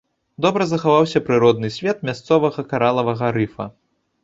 Добра захаваўся прыродны свет мясцовага каралавага рыфа.